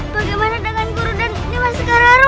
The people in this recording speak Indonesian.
bagaimana dengan guru dan iblis sekarang arum